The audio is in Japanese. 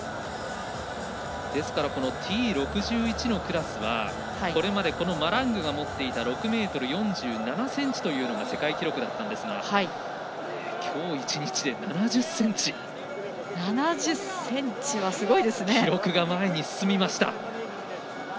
ですから、Ｔ６１のクラスはこれまでマラングが持っていた６ｍ４７ｃｍというのが世界記録だったんですがきょう１日で７０ｃｍ記録が前に進みました。